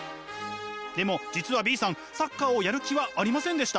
でも実はＢさんサッカーをやる気はありませんでした。